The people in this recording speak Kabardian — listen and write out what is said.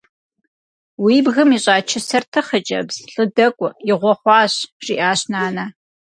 «Уи бгым ищӀа чысэр ты, хъыджэбз. ЛӀы дэкӀуэ. Игъуэ хъуащ!», – жиӀащ нанэ.